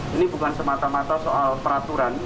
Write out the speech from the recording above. ini bukan semata mata soal peraturan